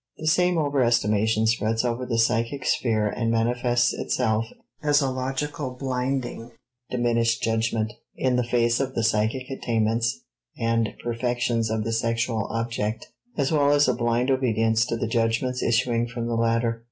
The same overestimation spreads over the psychic sphere and manifests itself as a logical blinding (diminished judgment) in the face of the psychic attainments and perfections of the sexual object, as well as a blind obedience to the judgments issuing from the latter.